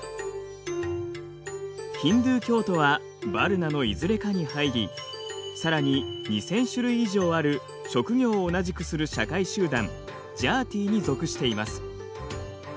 ヒンドゥー教徒はヴァルナのいずれかに入りさらに２，０００種類以上ある職業を同じくする社会集団ジャーティに属しています。